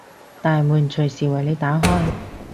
大門隨時為你打開